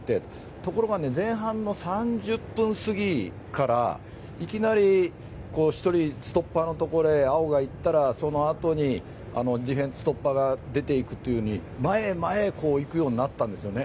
ところが、前半の３０分過ぎからいきなり、１人ストッパーのところに碧が行ったらそのあとにディフェンスのストッパーが出て行くと前へ前へ行くようになったんだよね。